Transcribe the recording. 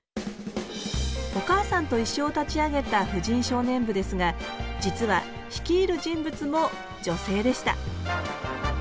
「おかあさんといっしょ」を立ち上げた婦人少年部ですが実は率いる人物も女性でした。